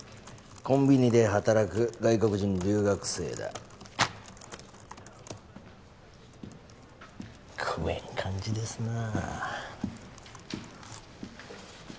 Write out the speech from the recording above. コンビニで働く外国人留学生だ食えん感じですなあ